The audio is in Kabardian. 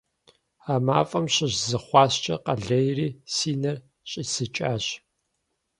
А мафӀэм щыщ зы хъуаскӀэ къэлъейри си нэр щӀисыкӀащ.